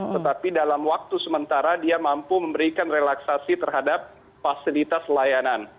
tetapi dalam waktu sementara dia mampu memberikan relaksasi terhadap fasilitas layanan